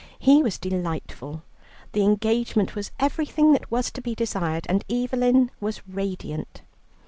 He was delightful, the engagement was everything that was to be desired, and Evelyn was radiant.